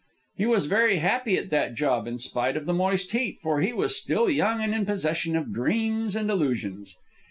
He was very happy at that job, in spite of the moist heat, for he was still young and in possession of dreams and illusions.